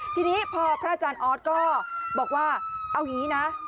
ทีนี้พอพระอาจารย์ออสก็บอกว่าเอาอย่างนี้นะ